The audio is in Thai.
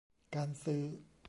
การซื้อ